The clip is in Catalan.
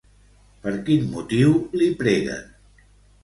Per quin motiu li preguen?